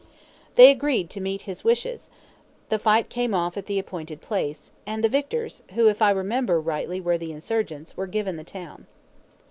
They agreed to meet his wishes, the fight came off at the appointed place, and the victors, who if I remember rightly were the insurgents, were given the town.